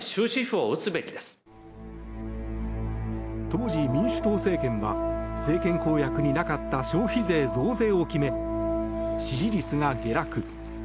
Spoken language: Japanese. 当時、民主党政権は政権公約になかった消費税増税を決め支持率が下落。